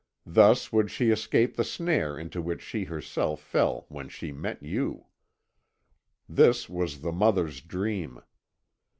Thus would she escape the snare into which she herself fell when she met you. This was the mother's dream.